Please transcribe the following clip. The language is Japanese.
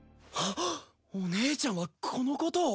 お姉ちゃんはこのことを。